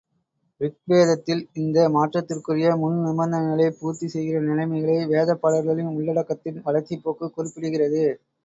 ரிக்வேதத்தில் இந்த மாற்றத்துக்குரிய முன் நிபந்தனைகளைப் பூர்த்தி செய்கிற நிலைமைகளே வேதப் பாடல்களின் உள்ளடக்கத்தின் வளர்ச்சிப்போக்கு குறிப்பிடுகிறது.